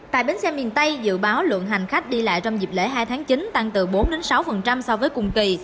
tại bến xe miền tây dự báo lượng hành khách đi lại trong dịp lễ hai tháng chín tăng từ bốn sáu so với cùng kỳ